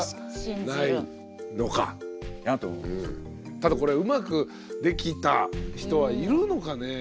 ただこれうまくできた人はいるのかね。